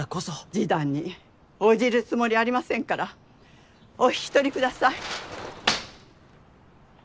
示談に応じるつもりありませんからお引き取りください。